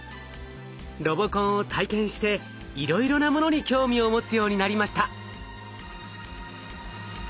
ロボコンを体験していろいろなものに興味を持つようになりました。